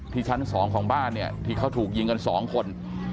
ที่ชั้นสองของบ้านเนี่ยที่เขาถูกยิงกันสองคน